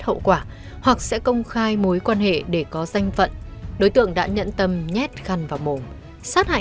hậu quả hoặc sẽ công khai mối quan hệ để có danh phận đối tượng đã nhận tâm nhét khăn vào mồm sát hại